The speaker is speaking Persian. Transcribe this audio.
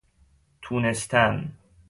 تونستن